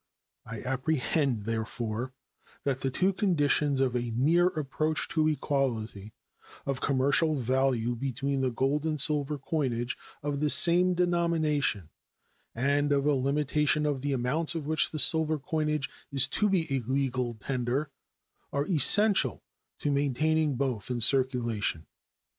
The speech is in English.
I apprehend, therefore, that the two conditions of a near approach to equality of commercial value between the gold and silver coinage of the same denomination and of a limitation of the amounts for which the silver coinage is to be a legal tender are essential to maintaining both in circulation.